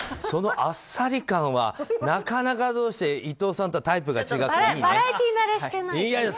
そのあっさり感はなかなかどうして伊藤さんとはタイプが違っていいね。